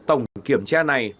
tổng kiểm tra này